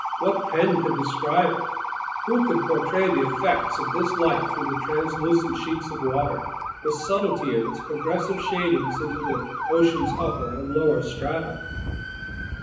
What pen could describe it? Who could portray the effects of this light through these translucent sheets of water, the subtlety of its progressive shadings into the ocean's upper and lower strata?